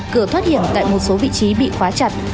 cửa thoát hiểm tại một số vị trí bị khóa chặt